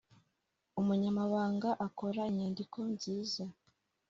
umunyamabanga akora inyandiko nziza.